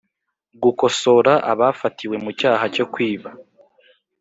Gukosora abafatiwe mu cyaha cyo kwiba